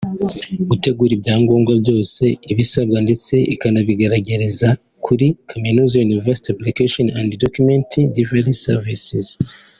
gutegura ibyagombwa byose bisabwa ndetse ikanabibagereza kuri kaminuza (University Application and Documents Delivery Services)